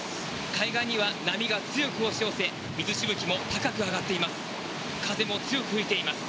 海岸には波が強く押し寄せ水しぶきも高く上がっています。